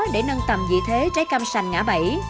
để nâng tầm vị thế trái cam sành ngã bảy